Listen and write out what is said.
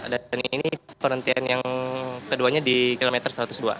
dan ini perhentian yang keduanya di kilometer satu ratus dua